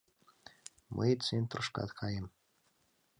Мый центрышкат каем...